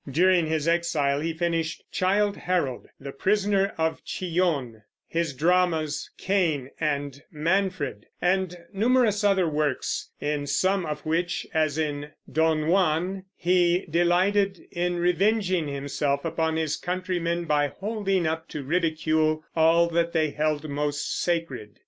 During his exile he finished Childe Harold, The Prisoner of Chillon, his dramas Cain and Manfred, and numerous other works, in some of which, as in Don Juan, he delighted in revenging himself upon his countrymen by holding up to ridicule all that they held most sacred.